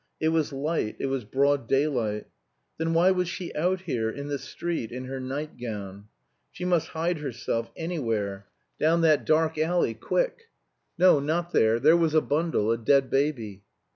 It was light; it was broad daylight. Then why was she out here, in the street, in her night gown? She must hide herself anywhere down that dark alley, quick! No, not there there was a bundle a dead baby.